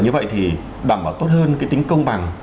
như vậy thì đảm bảo tốt hơn cái tính công bằng